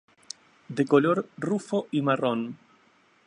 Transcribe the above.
De color rufo y marrón.